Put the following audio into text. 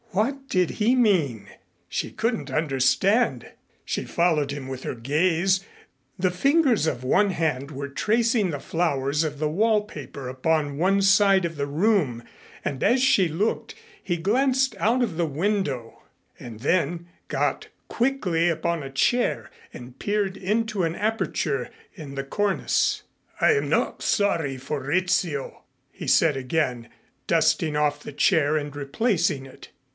What did he mean? She couldn't understand. She followed him with her gaze. The fingers of one hand were tracing the flowers of the wallpaper upon one side of the room, and as she looked he glanced out of the window and then got quickly upon a chair and peered into an aperture in the cornice. "I am not sorry for Rizzio," he said again, dusting off the chair and replacing it.